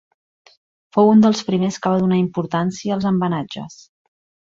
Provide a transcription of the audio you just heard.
Fou un dels primers que va donar importància als embenatges.